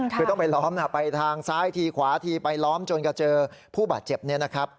คือต้องไปล้อมไปทางซ้ายทีขวาทีไปล้อมจนกระเจอผู้บาดเจ็บเนี่ยนะครับ